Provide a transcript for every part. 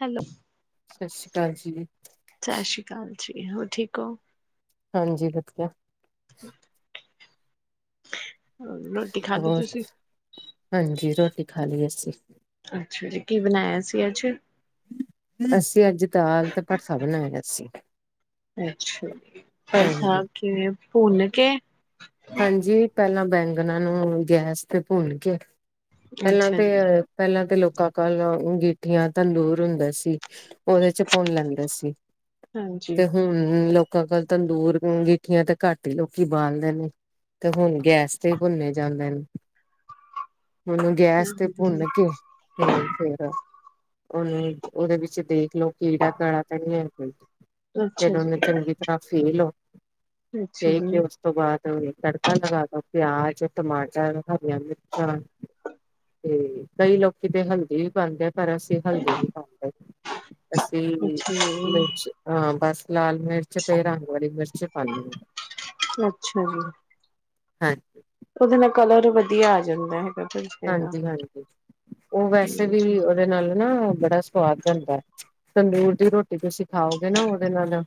Hello. ਸਤਿ ਸ੍ਰੀ ਅਕਾਲ ਜੀ। ਹੋ ਠੀਕ ਓ? ਹਾਂਜੀ ਵਧੀਆ। ਹਮ। ਖਾ ਲਈ ਹੋਰ ਤੁਸੀਂ ਹਾਂਜੀ ਰੋ। ਖਾ ਲਈ ਅਸੀਂ ਅੱਛਾ ਜੀ ਕੀ ਬਣਾਇਆ ਸੀ ਅੱਜ ਅਸੀਂ ਅੱਜ ਦਾਲ ਤੇ ਭੜਥਾ ਬਣਾਇਆ [unintelligible] ਅੱਛਾ ਜੀ ਹੋਰ ਹਾਂਜੀ। ਸੁਣਾਓ ਕਿਵੇ ੳ ਭੂਨ ਕੇ ਹਾਂਜੀ ਪਹਿਲਾਂ ਬੈਂਗਨਾਂ ਨੂੰ ਗੈਸ ਤੇ ਭੁੰਨ ਕੇ, ਪਹਿਲਾਂ ਅੱਛਾ ਤੇ ਜੀ ਪਹਿਲ਼ਾਂ, ਲੋਕਾਂ ਕਲ ਅੰਗੀਠੀਆਂ ਤੰਦੂਰ ਹੁੰਦਾ ਸੀ। ਉਹਦੇ ਚ ਭੁੰਨ ਲੈਂਦੇ ਸੀ, ਹਾਂਜੀ ਤੇ ਹੁਣ ਲੋਕ- ਕੱਲ ਤੰਦੂਰ ਅੰਗਿਠੀਆਂ ਤੇ ਘੱਟ ਹੀ ਲੋਕੀ ਬਾਲਦੇ ਨੇ, ਤੇ, ਹੁਣ ਗੈਸ ਤੇ ਭੁੰਨੇ ਜਾਂਦੇ ਨੇ, ਇਸ ਨੂੰ ਗੈਸ ਤੇ ਅੱਛਾ ਜੀ ਭੁੰਨ ਕੇ ਤੇ ਫ਼ੇਰ, ਉਹਨੂੰ ਉਹਦੇ ਵਿੱਚ ਦੇਖਲਓ ਕੀੜਾ ਕਾੜਾ ਤਾਂ ਨਹੀਂ ਹੈ ਕੋਈ, ਅੱਛਾ ਫਿਰ ਉਹਨੂੰ ਜੀ ਚੰਗੀ ਤਰ੍ਹਾਂ ਫੀਲ ਲੋ, ਤੇ ਫਿਰ ਉਸ ਤੋਂ ਬਾਅਦ, ਤੜਕਾ ਲਗਾ ਦੋ ਪਿਆਜ ਟਮਾਟਰ ਹਰੀਆਂ ਮਿਰਚਾਂ ਤੇ ਕਈ ਲੋਕੀ ਤੇ ਹਲਦੀ ਵੀ ਪਾਦੇ, ਪਰ ਅਸੀਂ ਹਲਦੀ ਨੀ ਪਾਦੇ, ਅੱਛ ਅਸੀਂ ਅੱਛਾ ਜੀ ਹਾਂ ਬਸ, ਲਾਲ ਮਿਰਚ ਤੇ ਰਗਵਾੜੀ ਮਿਰਚ, ਪਿਛੇ ਪਾਨੀ ਆ, ਅੱਛਾ ਜੀ, ਹਾਂ ਉਹਦੇ ਨਾਲ, ਕਲਰ ਵਧੀਆ ਆ ਜਾਂਦਾ ਹੈਗਾ। ਭੁਜੀਆ ਦਾ ਹਾਂਜੀ ਹਾਂਜੀ ਉਹ ਵੈਸੇ ਵੀ ਉਹਦੇ ਨਾਲ ਨਾ, ਬੜਾ ਸਵਾਦ ਬਣਦਾ ਹੈ ਤੰਦੂਰ ਦੀ ਰੋਟੀ ਤੁਸੀਂ ਖਾਓਗੇ, ਨਾ ਉਹਦੇ ਨਾਲ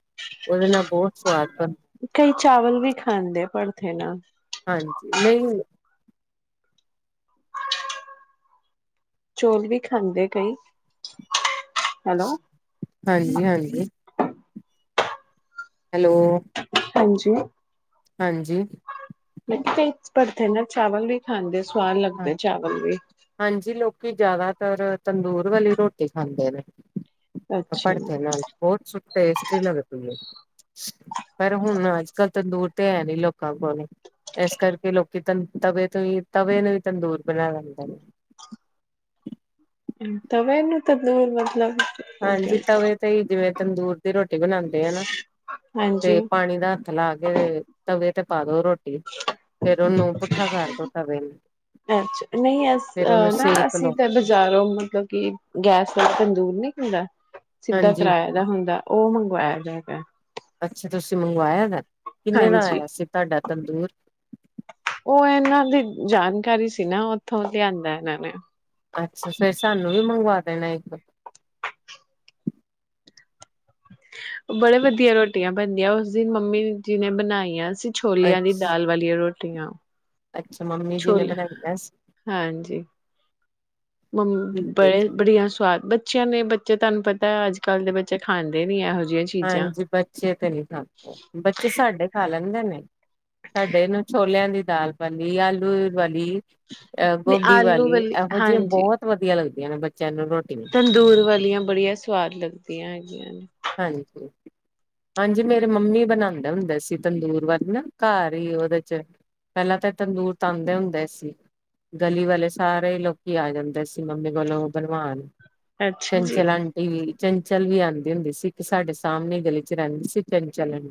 ਉਹਦੇ ਨਾਲ ਬਹੁਤ ਸਵਾਦ, ਬਣ ਕਈ ਚਾਵਲ ਵੀ ਖਾਂਦੇ ਭੜਥੇ ਨਾਲ, ਹਾਂਜੀ ਨਹੀਂ ਚੌਲ ਵੀ ਖਾਂਦੇ ਕਈ, ਹੈਲੋ ਹਾਂਜੀ-ਹਾਂਜੀ, ਹੈਲੋ, ਹਾਂਜੀ, ਹਾਂਜੀ, ਕਿਹਾ ਕਈ ਭਰਥੇ ਨਾਲ ਚਾਵਲ ਵੀ ਖਾਂਦੇ, ਸਵਾਦ ਹਾਂ, ਲੱਗਦੇ ਚਾਵਲ ਵੀ ਹਾਂਜੀ ਲੋਕੀ ਜ਼ਿਆਦਾ ਫੇਰ ਤੰਦੂਰ ਵਾਲੀ ਰੋਟੀ ਖਾਂਦੇ ਨੇ, ਅੱਛਾ ਜੀ ਭੜਥੇ ਨਾਲ ਬਹੁਤ ਸੁ ਟੇਸਟੀ ਲੱਗਦੀ ਏ, ਪਰ ਹੁਣ ਅੱਜ ਕੱਲ ਤੰਦੂਰ ਤੇ ਹੈ ਨੀ ਲੋਕਾਂ ਕੋਲ ਇਸ ਕਰਕੇ ਲੋਕੀ ਤ ਤਵੇ ਤੋਂ ਹੀ ਤਵੇ ਨੂੰ ਹੀ, ਤੰਦੂਰ ਬਣਾ ਲੈਂਦੇ ਨੇ। ਹੂੰ ਤਵੇ ਨੂੰ ਤੰਦੂਰ ਮਤਲਬ? ਹੋ ਹਾਂਜੀ ਗਿਆ ਤਵੇ ਤੇ ਹੀ ਜਿਵੇਂ ਤੰਦੂਰ ਦੀ ਰੋਟੀ ਬਣਾਦੇ ਆ ਨਾ ਹਾਂਜੀ ਤੇ ਪਾਣੀ ਦਾ ਹੱਥ ਲਾ ਕੇ ਤਵੇ ਤੇ ਪਾਦੋ ਰੋਟ ਦੋ ਤਵੇ ਨੂੰ ਅੱਛਾ ਨਹੀਂ ਅਸ ਫੇਰ ਉਹਨੂੰ ਨਾ ਸੇਕ ਅਸੀਂ ਲਓ ਤਾਂ ਬਾਜ਼ਾਰੋਂ ਮਤਲਬ ਕਿ ਗੈਸ ਦਾ ਤੰਦੂਰ ਨਹੀ ਹੁੰਦਾ। ਸਿੱਦਾ ਹਾਂਜੀ ਕਰਾਏ ਦਾ ਹੁੰਦਾ ਉਹ ਮੰਗਵਾਇਆ। [unintelligible] ਅੱਛਾ ਤੁਸੀ ਮੰਗਵਾਇਆ ਐ। ਕਿੰਨੇ ਦਾ ਹਾਂਜੀ ਆਇਆ ਸੀ ਤੁਹਾਡਾ? ਤੰਦੂੂਰ। ਉਹ ਇਹਨਾਂ ਦੀ ਜਾਣਕਾਰੀ ਸੀ ਨਾ ਉੱਥੋਂ ਲਿਆਂਦਾ ਇਹਨਾਂ ਨੇ। ਅੱਛਾ ਫੇਰ ਸਾਨੂੰ ਵੀ ਮੰਗਵਾ ਦੇਣਾ ਇੱਕ। ਬੜੇ ਵਧੀਆ ਰੋਟੀਆਂ ਬਣਦੀਆਂ ਉਸ ਦਿਨ ਮੰਮੀ ਜੀ ਨੇ ਬਣਾਈਆਂ ਸੀ। ਛੋਲਿਆਂ ਦੀ ਅੱਛਾ ਦਾਲ ਵਾਲੀਆਂ ਰੋਟ ਟੀਆਂ ਅੱਛਾ ਮੰਮੀ ਜੀ ਨੇ ਬਣਾਈਆਂ ਸੀ। ਠੀਕ ਮੰਮੀ ਹੈ ਬੜੇ ਜੀ। ਬੜਿਆ ਸਵਾਦ ਬਣ ਬੱਚਿਆਂ ਨੇ ਬੱਚੇ ਤੁਹਾਨੂੰ ਪਤਾ ਹੈ ਅੱਜ ਕੱਲ੍ਹ ਦੇ ਬੱਚੇ ਖਾਂਦੇ ਨੀ ਐਹੋ ਹਾਂਜੀ ਬੱਚੇ ਤੇ ਨਹੀ ਖਾਂਦੇ ਬੱਚੇ ਸਾਡੇ ਖਾ ਲੈ ਨਈ -ਨਈ ਸਾਡੇ ਨ ਛੋਲਿਆਂ ਦੀ ਦਾਲ ਬਣੀ, ਆਲੂ ਵੀ ਬਣ ਬੀ ਅ ਨਹੀਂ ਗੋਭੀ ਆਲੂ ਵਾਲੀ ਇਹੋ ਜਿਹੀ ਹਾਂਜੀ ਬਹੁਤ ਵਧੀਆ ਲੱਗ [unintelligible] ਤੰਦੂਰ ਵਾਲੀਆਂ ਬੜੀਆ ਸਵਾਦ ਲਗਦ ਪਿਆਂ ਜੀਆਂ ਨ ਹਾਂਜੀ- ਹਾਂਜੀ ਮੇਰੇ ਮੰਮੀ ਬਣਾਉਂਦੇ ਹੁੰਦੇ ਸੀ, ਤੰਦੂਰ ਵਾਲੀ ਨਾ ਘਰ ਹੀ ਉਹਦੇ 'ਚ ਪਹਿਲਾਂ ਤਾਂ ਤੰਦੂਰ ਤਾਉਂਦੇ ਹੁੰਦੇ ਸੀ। ਗਲੀ ਵਾਲੇ ਸਾਰੇ ਲੋਕੀ ਆ ਜਾਂਦੇ ਸੀ ਮੰਮੀ ਕੋਲੋਂ ਬਣਵਾਉਣ। ਅੱਛਾ ਜੀ, ਚੰਚਲ ਆਂਟੀ ਵੀ ਚੰਚਲ ਵੀ ਆਉਂਦੀ ਹੁੰਦੀ ਸੀ। ਇੱਕ ਸਾਡੇ ਸਾਹਮਣੇ ਗਲੀ 'ਚ ਰਹਿੰਦੀ ਸੀ ਚੰ ਚੱਲਣ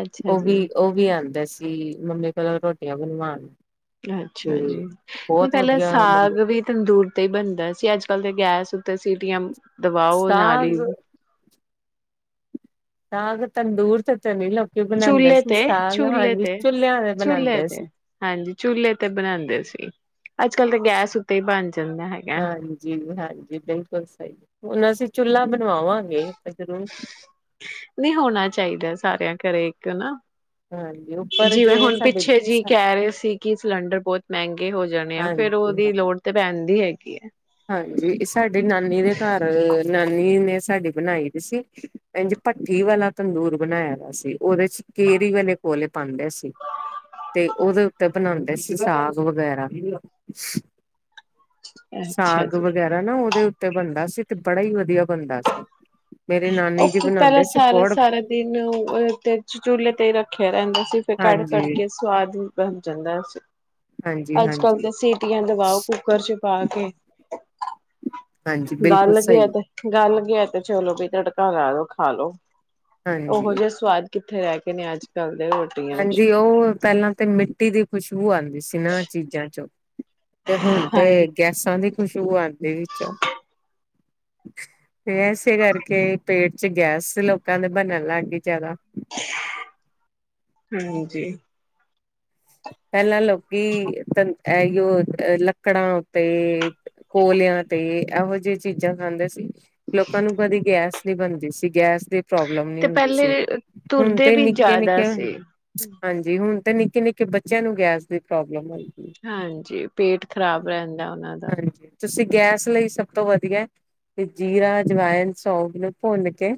ਅੱਛਾ ਉਹ ਜੀ, ਵੀ ਉਹ ਵੀ ਆਉਂਦਾ ਸ ਅਸੀ ਮੰਮੀ ਪਹਿਲਾਂ ਰੋਟੀਆਂ ਬਣਵਾਣ ਅੱਛਾ ਜੀ ਪਹਿਲਾਂ ਵਧੀਆ ਮੰਮੀ ਸਾਗ ਵੀ ਤੰਦੂਰ ਤੇ ਹੀ ਬਣਦਾ ਸੀ ਅੱਜ ਅ ਕਲ ਦੇ ਗੈਸ ਉੱਤੇ ਸੀਟੀਆਂ ਦਬਾਓ ਨਾਲ ਈ। ਸਾਗ [unintelligible] ਬਣਾਉਂਦੇ ਚੁਲੇ ਸੀ ਤੇ ਸਾਗ ਚੁਲੇ ਹਾਂਜੀ ਤੇ ਚੁੱਲਿਆਂ ਦੇ ਚੁਲੇ ਬਣਾਉਂਦੇ ਤੇ ਸੀ ਹਾਂਜੀ ਚੁਲੇ ਤੇ ਬਣਾਦੇ ਸੀ। ਅੱਜ ਕੱਲ ਤਾਂ ਗੈਸ ਉੱਤੇ ਹੀ ਬਣ ਜਾਂਦਾ ਹੈਗਾ। ਹਾਂਜੀ -ਹਾਂਜੀ ਬਿਲਕੁਲ ਸਹੀ ਹੁਣ ਅਸੀਂ ਚੁੱਲ੍ਹਾ ਬ ਬਣਵਾਵਾਂਗੇ ਜਰੂਰ ਨਹੀਂ ਹੋਣਾ ਚਾਹੀਦਾ ਸਾਰਿਆਂ ਘਰੇ ਇੱਕ ਨਾ ਹਾਂਜੀ ਉੱਪਰ ਜੋ ਜਿਵੇਂ ਇਹ ਹੁਣ ਸਾਡੇ ਪਿੱਛੇ ਜੀ ਕਹਿ ਰਹੇ ਸੀ ਕਿ ਸਿਲੰਡਰ ਬਹੁਤ ਮਹਿੰਗੇ ਹੋ ਜਾਣੇ ਆ ਫੇਰ ਹਾਂਜੀ ਹਾਂ ਉਹਦੀ ਲੋੜ ਤੇ ਪੈਂਦੀ ਹੈਗੀ। [unintelligible] ਹਾਂਜੀ ਸਾਡੇ ਨਾਨੀ ਦੇ ਘਰ ਨਾਨੀ ਨੇ ਸਾਡੀ ਬਣਾਈ ਦੀ ਸੀ ਇੰਜ ਭੱਠੀ ਵਾਲਾ ਤੰਦੂਰ ਬਣਾਇਆ ਵ ਸੀ ਉਹਦੇ 'ਚ ਕੇਰੀ ਵਾਲੇ ਕੋਲੇ ਪਾਉਂਦੇ ਸੀ ਤੇ ਉਹਦੇ ਉੱਤੇ ਬਣਾਉਂਦੇ ਸੀ ਸਾਗ ਵਗੈਰਾ [inaudible] ਸਾਗ ਜੀ। ਵਗੈਰਾ ਨਾ ਉਹਦੇ ਉ ਬਣਦਾ ਸੀ ਤੇ ਬੜਾ ਹੀ ਵਧੀਆ ਬਣਦਾ ਸੀ। ਮੇਰੇ ਉਹ ਨਾਨੀ ਜੀ ਪਹਿਲਾਂ ਬਣਾਉਂਦੇ ਸੀ ਸਾਰਾ ਬੜ ਸਾਰਾ ਦਿਨ ਤੇ ਉ ਚੁੱਲੇ ਤੇ ਹੀ ਰੱਖਿਆ ਰਹਿੰਦਾ ਸੀ। ਫ ਕੱੜ- ਕੱੜ ਹਾਂਜੀ ਕੇ ਸਵਾਦ ਬਣ ਸਕਦਾ। [inaudible] ਹਾਂਜੀ ਅੱਜ ਕੱਲ ਹਾਂਜੀ ਤਾਂ ਸੀਟੀਆਂ ਦਵਾਓ ਕੁੂੱਕਰ 'ਚ ਪਾ ਕੇ। ਹਾਂਜੀ ਬਿਲਕੁਲ ਗਲ ਸਹੀ ਗਿਆ ਤੇ ਗਲ ਗਿਆ। ਤੇ ਚਲੋ ਬਈ। ਤੜਕਾ ਲਾ ਲੋੋ ਖਾ ਲੋ। ਉਹੋ ਹਾਂਜੀ ਜਿਹਾ ਸਵਾਦ ਕਿੱਥੇ ਰਹਿ ਕਏ ਨੇ ਅੱਜ ਕੱਲ੍ਹ ਹਾਂਜੀ ਉਹ ਪਹਿਲਾਂ ਤੇ ਮਿੱਟੀ ਦੀ ਖੁਸ਼ਬੂ ਆਉਂਦੀ ਸੀ ਨਾ ਚੀਜ਼ਾਂ 'ਚੋਂ ਤੇ ਹੁਣ ਤੇ ਹਾਂਜੀ। ਗੈਸਾਂ ਦੀ ਖੁਸ਼ੂਬੋ ਆਉਂਦੀ ਵਿੱਚੋਂ ਤੇ ਇਸੇ ਕਰਕੇ ਪੇਟ [inaudible] 'ਚ ਗੈਸ ਲੋਕਾਂ ਦੇ ਬਣਨ ਲੱਗ ਗਈ ਜਿਆਦਾ ਹਾਂਜੀ ਪਹਿਲਾਂ ਲੋਕੀ ਤ ਇਹੀਓ ਲੱਕੜਾਂ ਉਤੇ ਕੋਲਿਆਂ ਤੇ ਇਹੋ ਜਿਹੀ ਚੀਜ਼ਾਂ ਖਾਂਦੇ ਸੀ, ਲੋਕਾਂ ਨੂੰ ਕਦੀ ਗੈਸ ਨੀ ਬਣਦੀ ਸੀ, ਗੈਸ ਦੇ ਪ੍ਰੋਬਲਮ ਨ ਤੇ ਹੁੰਦੀ ਸੀ, ਪਹਿਲੇ ਹੁਣ ਤੁਰਦੇ ਤੇ ਵੀ ਨਿੱਕੇ ਜ਼ਿਆਦਾ ਨਿੱਕੇ [inaudible] ਸੀ। ਹਾਂਜੀ ਹੁਣ ਤੇ ਨਿੱ- ਨਿੱਕੇ ਕਿ ਬੱਚਿਆਂ ਨੂੰ ਗੈਸ ਦੀ ਪ੍ਰੋਬਲਮ ਹੋਈ। ਹਾਂਜੀ ਪੇਟ ਖ਼ਰਾਬ ਰਹਿੰਦਾ ਉਹਨਾਂ ਦਾ ਹਾਂਜੀ ਤੁਸੀਂ ਗੈਸ ਲਈ ਸਭ ਤੋਂ ਵਧੀਆ ਤੇ ਜੀਰਾ, ਅਜਵਾਇਨ, ਸੌਫ ਨੂੰ ਭੁੰਨ ਕੇ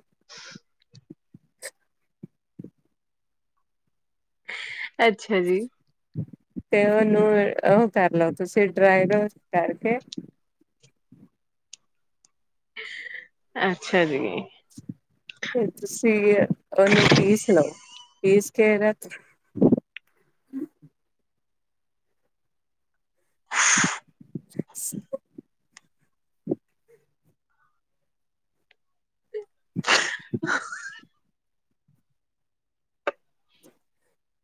ਅੱਛਾ ਜੀ ਤੇ ਉਹਨੂੰ ਉਹ ਕਰ ਲ ਤੁਸੀਂ ਡਰਾਈ ਰੋਸ ਕਰਕੇ ਅੱਛਾ ਜੀ ਫੇਰ ਤੇ ਸਹੀ ਏ। ਉਹਨੂੰ ਕੀ ਸੁਣਾਓ? [unintelligible] [inaudible]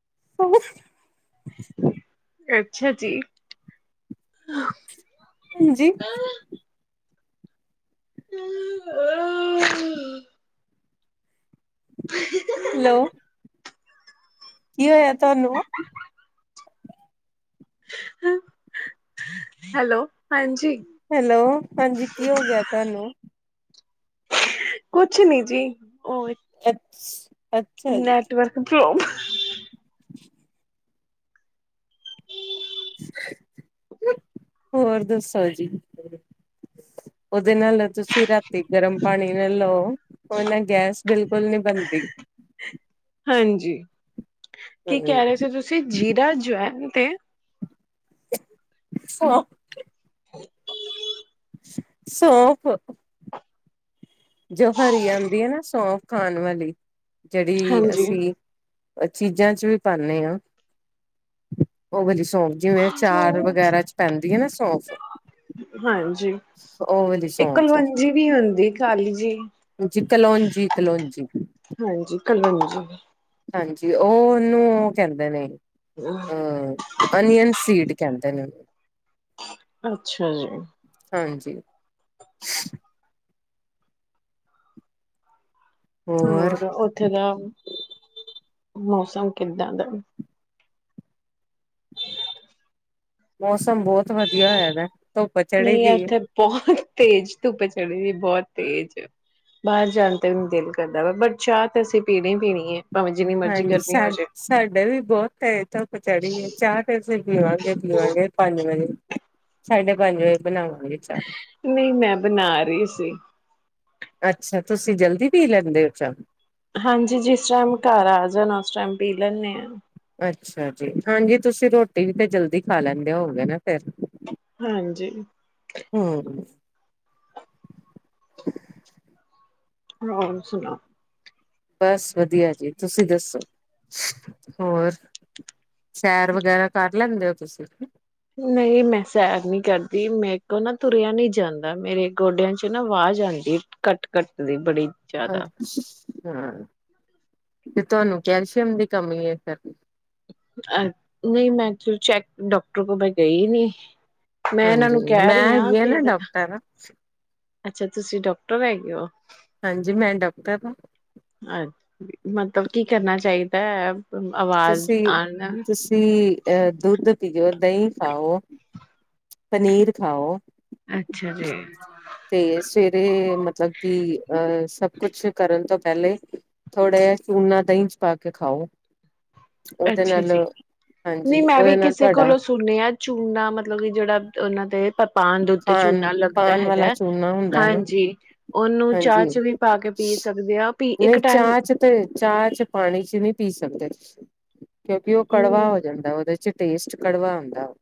[inaudible] ਅੱਛਾ ਜੀ ਹਾਂਜੀ [unintelligible] ਹੈਲੋ ਕੀ ਹੋਇਆ ਤੁਹਾਨੂੰ ਹੈਲੋ ਹਾਂਜੀ ਹੈਲੋ ਹਾਂਜੀ ਕੀ ਹੋ ਗਿਆ ਤੁਹਾਨੂੰ ਕੁਛ ਨੀ ਜੀ ਉਹ ਅ [inaudible] ਅੱਛਾ ਜੀ ਕਿੋ [unintelligible] [unintelligible] ਹੋਰ ਦੱਸੋ ਜੀ ਉਹਦੇ ਨਾਲ ਤੁਸੀਂ ਰਾਤ ਗਰਮ ਪਾਣੀ ਨਾਲ ਲਓ ਉਹਦੇ ਨਾਲ ਗੈਸ ਬਿਲਕੁਲ ਨੀ ਬਣਦੀ ਜੀ ਕੀ ਹਮ ਕਹਿ ਰਹੇ ਸੀ ਤੁਸੀਂ ਜੀਰਾ ਜਵੈਨ ਤੇ ਹਾਂ ਸੌਂਫ ਜੋ ਹਰੀ ਆਂਦੀ ਹੈ ਨਾ ਸੌਂਫ ਖਾਣ ਵਾਲੀ ਜਿਹੜੀ ਹਾਂਜੀ ਅਸੀਂ ਚੀਜ਼ਾਂ ਚ ਵੀ ਪਾਨੇ ਹਾਂ, ਔ ਵਾਲੀ ਸੌਫ ਜਿਵੇਂ ਅਚਾਰ ਵਗੈਰਾ ਚ ਪੈਂਦੀ ਹੈ ਨਾ ਸੌਫ ਹਾਂਜੀ ਔ ਵਾਲੀ ਇਹ ਸੌਂਫ ਕਲਵੰਜੀ ਵੀ ਹੁੰਦੀ ਕਾਲੀ ਜੀ ਜੀ ਕਲੋਂਜੀ ਕਲੋਂਜੀ ਹ [unintelligible] ਹਾਂਜੀ ਔ ਉਹਨੂੰ ਔ ਕਹਿੰਦੇ ਨੇ ਹਾਂ [inaudible] ਅਨੀਅਨ ਸੀਡ ਕਹਿੰਦੇ ਨੇ ਅੱਛਾ ਜੀ ਹਾਂਜੀ ਹੋਰ ਉੱਥੇ ਦਾ ਮੌਸਮ ਕਿੱਦਾਂ ਦਾ ਐ ਮੌਸਮ ਬਹੁਤ ਵਧੀਆ ਹੈ ਵੈ ਧੁੱਪ ਚੜੀ ਨਹੀਂ ਏ ਦੀ ਤੇ ਬਹੁਤ ਤੇਜ਼ ਧੁੱਪ ਚੜੀ ਬਹੁਤ ਤੇਜ਼ ਬਾਹਰ ਜਾਣ ਤੇ ਮੈਨੂੰ ਦਿਲ ਕਰਦਾ ਵਾ ਪਰ ਚਾਹ ਤਾਂ ਅਸੀਂ ਪੀਣੀ ਹੀ ਪੀਣੀ ਹੈ ਭਾਵੇਂ ਜਿੰਨੀ ਮਰਜ਼ੀ ਹਾਂਜੀ ਸਾ ਗਰਮੀ ਹੋ ਜਾਏ ਸਾਡੇ ਵੀ ਬਹੁਤ ਤੇਜ਼ ਧੁੱਪ ਚੜ੍ਹੀ ਏ ਚਾਹ ਵੇ ਫੇ ਪੀਵਾਂਗੇ ਪੀਵਾਂਗੇ ਪੰਜ ਵਜੇ ਸਾਢੇ ਪੰਜ ਵਜੇ ਬਣਾਵਾਂ ਨਹੀਂ ਮੈਂ ਬਣਾ ਰਹੀ ਸੀ ਅੱਛਾ ਤੁਸੀਂ ਜਲਦੀ ਪੀ ਲੈਂਦੇ ਹੋ ਚਾਹ ਹਾਂਜੀ ਜਿਸ ਟਾਈਮ ਘਰ ਆ ਜਾਣ ਉਸ ਟਾਈਮ ਪੀ ਲੈਨੇ ਆਂ ਅੱਛਾ ਜੀ ਹਾਂਜੀ ਤੁਸੀਂ ਰੋਟੀ ਵੀ ਤੇ ਜਲਦੀ ਖਾ ਲੈਂਦੇ ਹੋਗੇ ਨਾ ਫੇਰ ਹਾਂਜੀ ਹਮ [inaudible] ਹੋਰ ਸੁਨਾ ਬਸ ਵਧੀਆ ਜੀ ਤੁਸੀਂ ਦੱਸੋ ਹੋਰ ਸੈਰ ਵਗੈਰਾ ਕਰ ਲੈਂਦੇ ਹੋ ਤੁਸੀਂ ਨਹੀਂ ਮੈਂ ਸੈਰ ਨੀ ਕਰਦੀ ਮੇਰੇ ਕੋਲ ਨਾ ਤੁਰਿਆ ਨਹੀ ਜਾਂਦਾ ਮੇਰੇ ਗੋਡਿਆਂ ਚ ਨਾ ਵਾਜ ਆਦੀ ਕੱਟ ਕੱਟ ਦੀ ਬੜੀ ਜ਼ਿਆਦਾ ਅੱਛ ਹਾਂ ਤੇ ਤੁਹਾਨੂੰ ਕੈਲਸ਼ੀਅਮ ਦੀ ਕਮੀ ਏ ਫੇਰ ਅ ਨਹੀਂ ਮੈਂ ਚੈੱਕ ਡਾਕਟਰ ਕੋ ਮੈਂ ਗਈ ਨਹੀਂ ਹਾਂਜੀ ਮੈਂ ਹੈਗੀ ਆ ਨਾ ਡਾਕਟਰ ਅੱਛਾ ਤੁਸੀਂ ਡਾਕਟਰ ਹੈਗੇ ਹੋ ਹਾਂਜੀ ਮੈਂ ਡਾਕਟਰ ਹਾਂ ਅੱ ਮਤਲਬ ਕੀ ਕਰਨਾ ਚਾਹੀਦੈ ਤੁਸੀਂ ਤੁਸੀਂ ਅਹ ਦੁੱਧ ਘਓ ਦਹੀਂ ਖਾਓ ਪਨੀਰ ਖਾਓ ਅੱਛਾ ਜੀ ਤੇ ਸਵੇਰੇ ਮਤਲਬ ਕਿ ਅਹ ਸਭ ਕੁਛ ਕਰਨ ਤੋਂ ਪਹਿਲੇ ਥੋੜ੍ਹਾ ਜਿਹਾ ਚੂਨਾ ਦਹੀਂ ਚ ਪਾ ਕੇ ਖਾਓ ਉਹਦੇ ਅੱਛਾ ਨਾਲ ਜੀ ਨਹੀਂ ਹਾਂਜੀ ਮੈਂ ਉਹਦੇ ਵੀ ਨਾਲ ਕਿਸੇ ਤੁਹਾਡਾ ਕੋਲੋਂ ਸੁਣਿਐ ਚੂਨਾ ਮਤਲਬ ਕਿ ਜਿਹੜਾ ਉਹਨਾਂ ਦੇ ਪ ਖਾਣ ਪਾਣ ਵਾਲਾ ਚੂਨਾ ਹੁੰਦਾ ਹੈ ਨਾ ਹਾਂਜੀ ਉਹਨੂੰ ਚਾਹ ਹਾਂਜੀ ਚ ਵੀ ਪਾ ਕੇ ਪੀ ਸਕਦੇ ਆ ਪੀ ਨਹੀਂ ਇੱਕ ਟਾਈਮ ਚਾਹ ਚ ਤੇ ਚਾਹ ਚ ਪਾਣੀ ਚ ਨਹੀ ਪੀ ਸਕਦੇ [inaudible] ਕਿਉਂਕਿ ਉਹ ਹਮ ਕੜਵਾ ਹੋ ਜਾਂਦਾ ਉਹਦੇ ਚ ਟੇਸਟ ਕੜਵਾ ਹੁੰਦੈ ਓ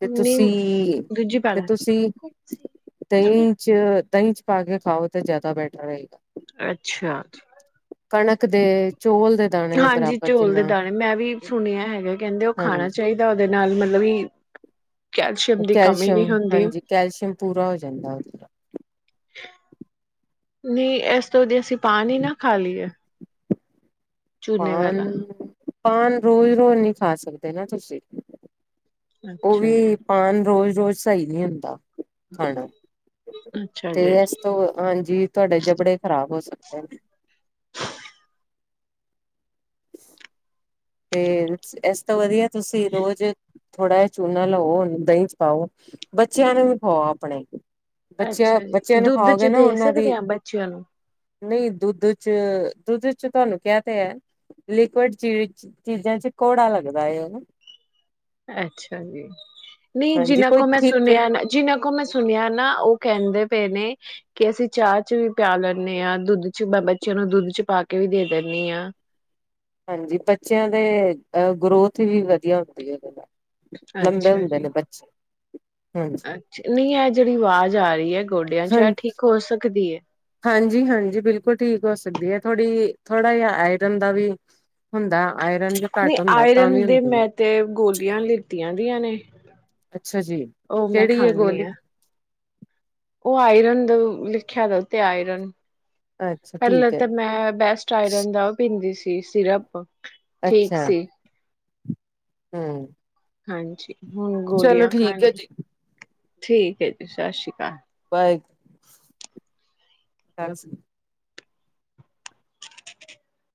ਤੇ ਨਹੀਂ ਤੁਸੀਂ ਦੂਜੀ ਪਾ ਤੇ ਲੈ ਤੁਸੀਂ ਤੇਈਂ ਚ ਦਹੀਂ ਚ ਪਾ ਕੇ ਖਾਓ ਤੇ ਜ਼ਿਆਦਾ ਬੈਟਰ ਰਹੇਗਾ ਅੱਛਾ ਕਣਕ ਦੇ ਚੋਲ ਦੇ ਦਾਣੇ ਹਾਂਜੀ ਬਰਾਬਰ ਚੋਲ ਦੇ ਜਿੰਨਾ ਦਾਣੇ ਮੈਂ ਵੀ ਸੁਣਿਆ ਹੈਗਾ ਕਹਿੰਦੇ ਉਹ ਖਾਣਾ ਹਾਂਜੀ ਚਾਹੀਦਾ ਉਹਦੇ ਨਾਲ ਮਤਲਬ ਵੀ ਕ ਕੈਲਸ਼ੀਅਮ ਹਾਂਜੀ ਕੈਲਸ਼ੀਅਮ ਪੂਰਾ ਹੋ ਜਾਂਦਾ ਨਹੀਂ ਇਸ ਤੋਂ ਦੀ ਅਸੀਂ ਪਾਣੀ ਨਾ ਖਾ ਲਈਏ ਚੂਨੇ ਹਾਨ ਵਾਲਾ ਪਾਨ ਰੋਜ਼ ਰੋਜ਼ ਨੀ ਖਾ ਸਕਦੇ ਨਾ ਤੁਸੀਂ ਉਹ ਅੱਛਾ ਵੀ ਜੀ ਪਾਨ ਰੋਜ਼ ਰੋਜ਼ ਸਹੀ ਨਹੀ ਹੁੰਦਾ ਅੱਛਾ ਤੇ ਜੀ ਇਸ ਤੋਂ ਹਾਂਜੀ ਤੁਹਾਡੇ ਜਬੜੇ ਖ਼ਰਾਬ ਹੋ ਸਕਦੇ ਆ [inaudible] ਤੇ ਇਸ ਤੋਂ ਵਧੀਆ ਤੁਸੀਂ ਰੋਜ਼ ਥੋੜ੍ਹਾ ਜਿਹਾ ਚੂਨਾ ਲਓ ਦਹੀਂ ਚ ਪਾਓ ਬੱਚਿਆਂ ਨੂੰ ਵੀ ਖਵਾਓ ਆਪਣੇ ਬੱਚਿਆਂ ਅੱਛਾ ਜੀ ਬੱਚਿਆਂ ਨੂੰ ਦੁੱਧ ਚ ਖਾਓਗੇ ਨਾ ਦੇ ਉਹਨਾਂ ਦੀ ਸਕਦੇ ਹਾਂ ਬੱਚਿਆਂ ਨੂੰ ਨਹੀਂ ਦੁੱਧ ਚ ਦੁੱਧ ਚ ਤੁਹਾਨੂੰ ਕਿਆ ਤੇ ਹੈ ਲਿਕੁਡ ਚੀ ਚੀਜ਼ਾਂ ਚ ਘੋੜਾ ਲੱਗਦਾ ਹਨਾ ਅੱਛਾ ਜੀ ਨਹੀਂ ਹਾਂਜੀ ਜਿਨਾਂ ਕੋਈ ਕੋ ਮੈਂ ਠੀਕ ਸੁਣਿਆ ਨਾ ਜਿੰਨਾਂ ਕੋ ਮੈਂ ਸੁਣਿਆ ਨਾ ਉਹ ਕਹਿੰਦੇ ਪਏ ਨੇ ਕਿ ਅਸੀਂ ਚਾਹ ਚ ਵੀ ਪਿਆ ਲੈਂਦੇ ਹਾਂ ਦੁੱਧ ਚ ਮੈਂ ਬੱਚਿਆਂ ਨੂੰ ਦੁੱਧ ਚ ਪਾ ਕੇ ਵੀ ਦੇ ਦਿੰਦੀ ਹਾਂ ਹਾਂਜੀ ਬੱਚਿਆਂ ਦੇ ਅ ਗਰੋਥ ਵੀ ਵਧੀਆ ਹੁੰਦੀ ਹੈ ਉਹਦੇ ਨਾਲ ਲੰਬੇ ਅੱਛਾ ਹੁੰਦੇ ਜੀ ਨੇ ਬੱਚੇ ਹਾਂਜੀ ਅੱਛਾ ਨਹੀਂ ਇਹ ਜਿਹੜੀ ਆਵਾਜ਼ ਜਾ ਰਹੀ ਹੈ ਗੋਡਿਆਂ ਚ ਇਹ ਹਾਂਜੀ ਠੀਕ ਹੋ ਸਕਦੀ ਹੈ ਹਾਂਜੀ ਹਾਂਜੀ ਬਿਲਕੁਲ ਠੀਕ ਹੋ ਸਕਦੀ ਹੈ ਥੋੜ੍ਹੀ ਥੋੜ੍ਹਾ ਜਿਹਾ ਆਇਰਨ ਦਾ ਵੀ ਹੁੰਦਾ ਆਇਰਨ ਜੋ ਨਹੀਂ ਘੱਟ ਹੁੰਦਾ ਤਾਂ ਆਇਰਨ ਵੀ ਦੇ ਹੁੰਦੀ ਹੈ ਮੈਂ ਤੇ ਗੋਲੀਆਂ ਲਿੱਤੀਆਂ ਦੀਆਂ ਨੇ ਅੱਛਾ ਜੀ ਉਹ ਮੈਂ ਕਿਹੜੀ ਹੈ ਖਾਂਦੀ ਗੋਲੀ ਹਾਂ ਉਹ ਆਇਰਨ ਦਾ ਲਿਖਿਆ ਦਾ ਤੇ ਆਇਰਨ ਅੱਛਾ ਪਹਿਲਾਂ ਠੀਕ ਹੈ ਤਾਂ ਜੀ ਮੈਂ ਬੈਸਟ ਆਇਰਨ ਦਾ ਉਹ ਪੀਂਦੀ ਸੀ ਸਿਰਪ ਠੀਕ ਅੱਛਾ ਸੀ। ਹਮ ਹਾਂਜੀ ਹੁਣ ਚਲੋ ਗੋਲੀਆਂ ਠੀਕ ਹੈ ਖਾਲੀ ਜੀ ਠੀਕ ਹੈ ਜੀ, ਸਤਿ ਸ਼੍ਰੀ ਅਕਾਲ [unintelligible] [inaudible]